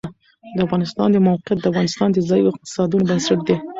د افغانستان د موقعیت د افغانستان د ځایي اقتصادونو بنسټ دی.